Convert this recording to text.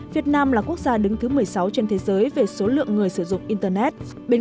việt nam là quốc gia đứng thứ một mươi sáu trên thế giới về số lượng người sử dụng internet